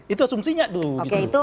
itu asumsinya dulu